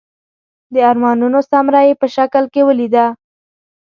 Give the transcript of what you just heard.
د ارمانونو ثمره یې په شکل کې ولیده.